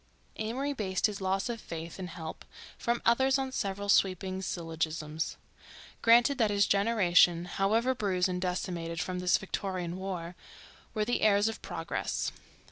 Amory based his loss of faith in help from others on several sweeping syllogisms. Granted that his generation, however bruised and decimated from this Victorian war, were the heirs of progress.